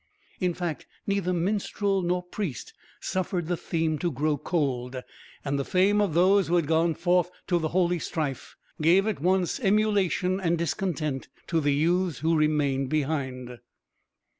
In fact, neither minstrel nor priest suffered the theme to grow cold; and the fame of those who had gone forth to the holy strife gave at once emulation and discontent to the youths who remained behind.